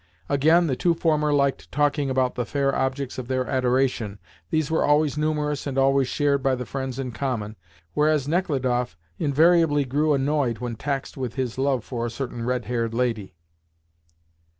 Again, the two former liked talking about the fair objects of their adoration (these were always numerous, and always shared by the friends in common), whereas Nechludoff invariably grew annoyed when taxed with his love for a certain red haired lady.